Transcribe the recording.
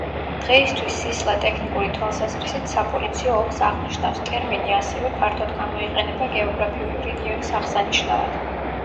დღეისთვის სისლა ტექნიკური თვალსაზრისით „საპოლიციო ოლქს“ აღნიშნავს, ტერმინი ასევე ფართოდ გამოიყენება გეოგრაფიული რეგიონის აღსანიშნავად.